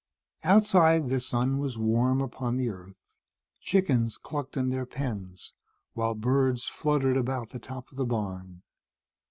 Outside, the sun was warm upon the earth. Chickens clucked in their pens, while birds fluttered about the top of the barn.